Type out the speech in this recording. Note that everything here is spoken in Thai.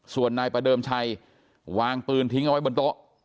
ส่วนนายประเดิมชัยวางปืนทิ้งเอาไว้บนโต๊ะ